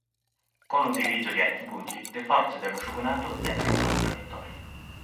Con l'utilizzo di archibugi, le forze dello shogunato ottennero un'altra vittoria.